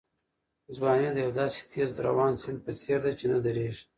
ځواني د یو داسې تېز روان سیند په څېر ده چې نه درېږي.